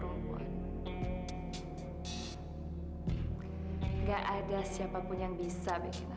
sebenarnya siapa ada kasih kerja